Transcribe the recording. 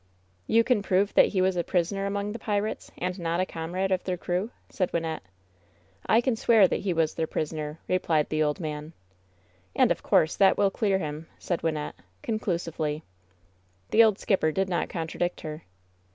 "You can prove that he was a prisoner among the pirates, and not a comrade of their crew ?" said Wyn nette. "I can swear that he was their prisoner," replied the old man. ^'And, of course, that will clear him," said Wynnette, conclusively. The old skipper did not contradict her.